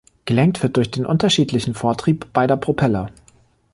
Gelenkt wird durch den unterschiedlichen Vortrieb beider Propeller.